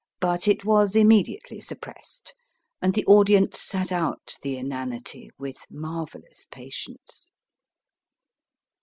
But it was immediately suppressed, and the audience sat out the inanity with marvellous patience.